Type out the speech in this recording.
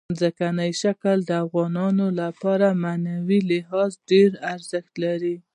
ځمکنی شکل د افغانانو لپاره په معنوي لحاظ ډېر ارزښت لري.